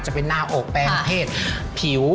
จะเป็นหน้าอกแปลงเพศผิว